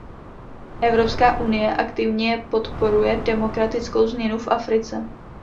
Evropská unie aktivně podporuje demokratickou změnu v Africe.